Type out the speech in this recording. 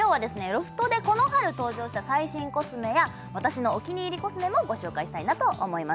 ロフトでこの春登場した最新コスメや私のお気に入りコスメもご紹介したいなと思います